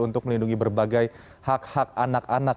untuk melindungi berbagai hak hak anak anak